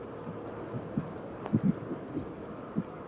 苏珊娜生于丹麦首都哥本哈根。